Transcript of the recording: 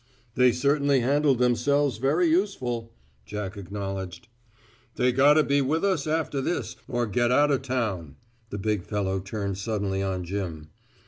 "They certainly handled themselves very useful," Jack acknowledged. "They gotta be with us after this, or get out of town." The big fellow turned suddenly on Jim.